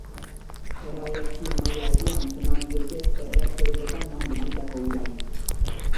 Erradiazio maila altua atzeman diote erreaktoreko tangan bildutako urari.